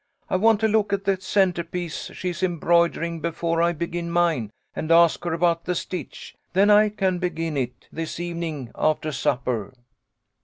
I want to look at the centrepiece she is embroidering before I begin mine, and ask her about the stitch. Then I can begin it this evening after supper."